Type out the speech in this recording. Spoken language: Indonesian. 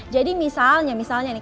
jadi misalnya misalnya nih